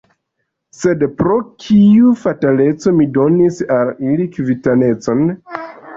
Sed pro kiu fataleco mi donis al ili kvitancon?